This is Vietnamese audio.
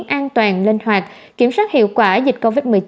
an toàn linh hoạt kiểm soát hiệu quả dịch covid một mươi chín